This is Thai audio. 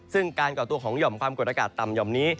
ซึ่งการก่อตัวของหย่อมความกดอากาศต่ำห่อมนี้